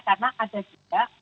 karena ada juga